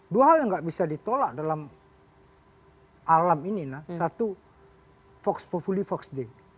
dua hal yang nggak bisa ditolak dalam alam ini satu fox fully foxed